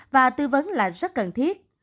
và tư vấn là rất cần thiết